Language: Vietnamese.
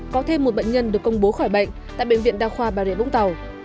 có thêm một bệnh nhân được công bố khỏi bệnh tại bệnh viện đa khoa bà rịa vũng tàu